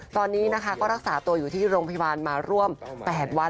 ตอนนี้นะคะก็รักษาตัวอยู่ที่โรงพยาบาลมาร่วม๘วัน